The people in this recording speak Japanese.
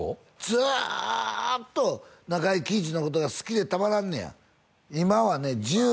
ずっと中井貴一のことが好きでたまらんねや今はね